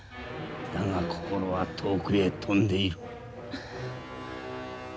だが心は遠くへ飛んでいる。